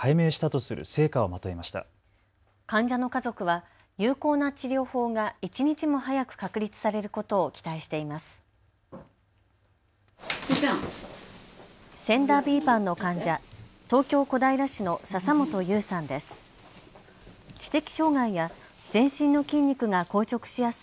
ＳＥＮＤＡ／ＢＰＡＮの患者、東京小平市の笹本優さんです。